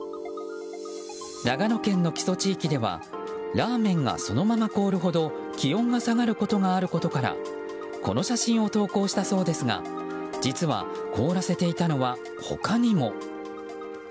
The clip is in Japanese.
長野県の木曽地域ではラーメンがそのまま凍るほど気温が下がることがあることからこの写真を投稿したそうですが実は凍らせていたのは他にも。